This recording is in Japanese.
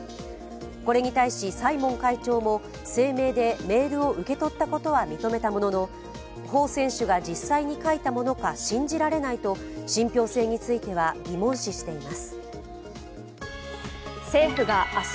これに対しサイモン会長も声明でメールを受け取ったことは認めたものの彭選手が実際に書いたものか信じられないと信ぴょう性については疑問視しています。